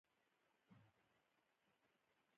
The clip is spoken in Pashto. خوله پرې راماته وه.